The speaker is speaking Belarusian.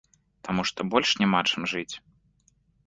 Таму што больш няма чым жыць.